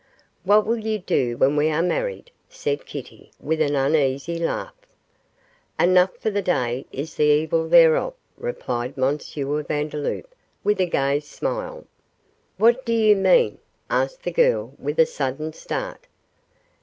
'What will you do when we are married?' said Kitty, with an uneasy laugh. 'Enough for the day is the evil thereof,' replied M. Vandeloup, with a gay smile. 'What do you mean?' asked the girl, with a sudden start.